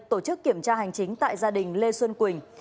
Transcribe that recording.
tổ chức kiểm tra hành chính tại gia đình lê xuân quỳnh